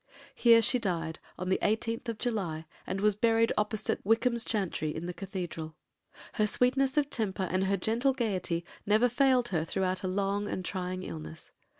Here she died on 18th July and was buried opposite Wykeham's Chantry, in the cathedral. Her sweetness of temper and her gentle gaiety never failed her throughout a long and trying illness.